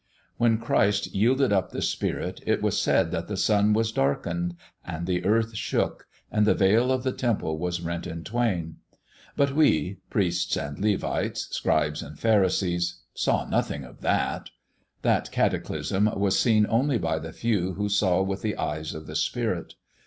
When Christ yielded up the spirit it was said that the sun was darkened and the earth shook and the veil of the Temple was rent in twain. But we priests and Levites, scribes and pharisees saw nothing of that. That cataclysm was seen only by the few who saw with the eyes of the spirit.